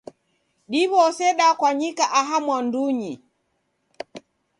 Diw'ose dakwanyika aha mwandunyi.